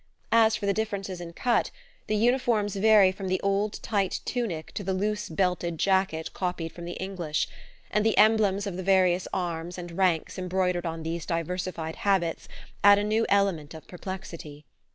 As for the differences in cut, the uniforms vary from the old tight tunic to the loose belted jacket copied from the English, and the emblems of the various arms and ranks embroidered on these diversified habits add a new element of perplexity.